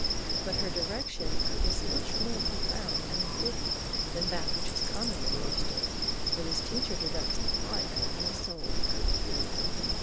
But her direction is much more profound and important than that which is commonly understood, for this teacher directs the life and the soul.